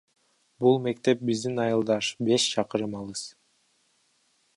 Бул мектеп биздин айылдан беш чакырым алыс.